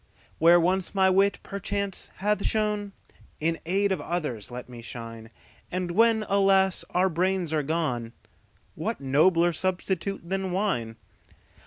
Where once my wit, perchance, hath shone, In aid of others' let me shine; And when, alas! our brains are gone, What nobler substitute than wine?